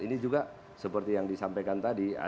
ini juga seperti yang disampaikan tadi